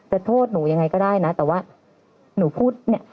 โทษหนูยังไงก็ได้นะแต่ว่าหนูพูดเนี่ย